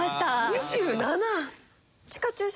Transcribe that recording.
２７！？